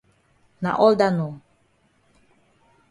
Na all dat nor.